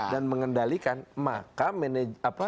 dan mengendalikan maka